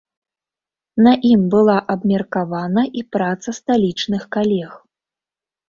На ім была абмеркавана і праца сталічных калег.